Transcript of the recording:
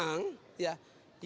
yang betul betul bertarung